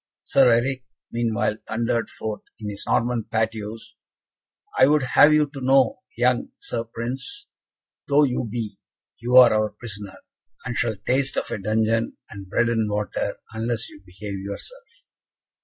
Sir Eric, meanwhile, thundered forth in his Norman patois, "I would have you to know, young Sir, Prince though you be, you are our prisoner, and shall taste of a dungeon, and bread and water, unless you behave yourself."